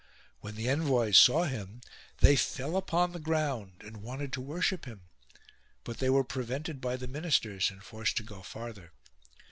When the envoys saw him they fell upon the ground and wanted to worship him. But they were prevented by the ministers and forced to go farther.